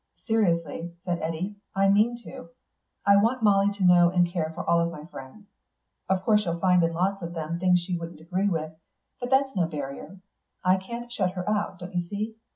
"Seriously," said Eddy, "I mean to. I want Molly to know and care for all my friends. Of course she'll find in lots of them things she wouldn't agree with; but that's no barrier. I can't shut her out, don't you see?